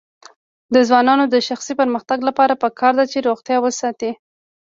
د ځوانانو د شخصي پرمختګ لپاره پکار ده چې روغتیا وساتي.